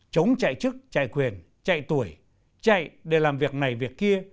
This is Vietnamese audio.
chống chạy chức chạy quyền chạy tuổi chạy để làm việc này việc kia